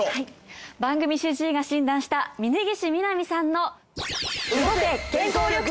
番組主治医が診断した峯岸みなみさんの。